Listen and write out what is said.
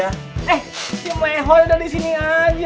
eh si mehoi udah disini aja